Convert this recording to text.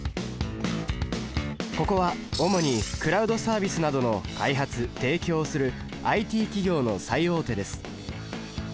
ここは主にクラウドサービスなどの開発・提供をするＩＴ企業の最大手です。